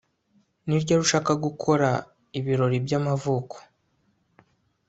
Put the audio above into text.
Ni ryari ushaka gukora ibirori byamavuko